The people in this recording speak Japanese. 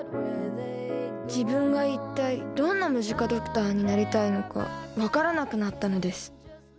自分が一体どんなムジカドクターになりたいのか分からなくなったのです。